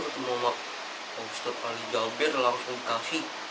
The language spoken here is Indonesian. habis itu saya bertemu dengan pak ustaz ali jaber dan langsung berkasi